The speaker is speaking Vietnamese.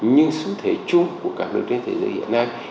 nhưng xu thế chung của các nước trên thế giới hiện nay